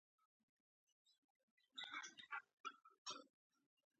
هغه له ما نه مشر ده